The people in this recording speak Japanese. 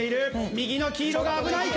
右の黄色が危ないか？